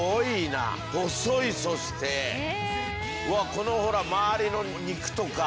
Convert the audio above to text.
このほら周りの肉とか。